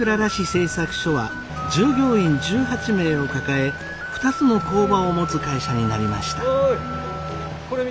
製作所は従業員１８名を抱え２つの工場を持つ会社になりました。